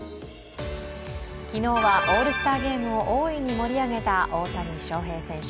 昨日はオールスターゲームを大いに盛り上げた大谷翔平選手。